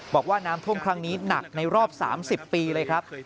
บอกว่าน้ำท่วมครั้งนี้หนักในรอบ๓๐ปีเลยครับ